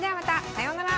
さようなら。